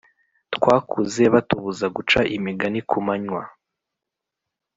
Twakuze batubuza guca imigani kumanywa